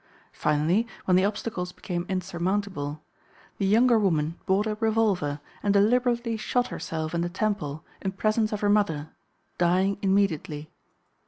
Finally, when the obstacles became insurmountable, the younger woman bought a revolver and deliberately shot herself in the temple, in presence of her mother, dying immediately.